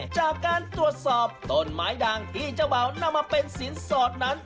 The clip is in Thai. จากการตรวจสอบต้นไม้ด่างที่เจ้าบ่าวนำมาเป็นสินสอดนั้น